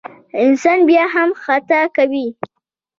انسان بیا هم خطا کوي.